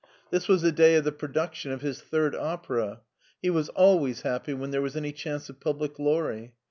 This was the day of the production of his third opera. He was always happy when there was any chance of public glory.